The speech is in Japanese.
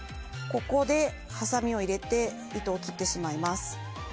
ここではさみを入れて糸を切ってしまいます。